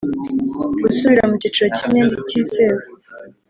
gusubira mu cyiciro cy imyenda itizewe